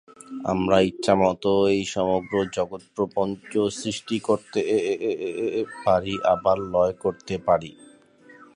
আমরা ইচ্ছামত এই সমগ্র জগৎপ্রপঞ্চ সৃষ্টি করতে পারি, আবার লয় করতে পারি।